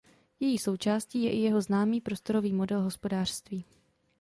Její součástí je i jeho známý prostorový model hospodářství.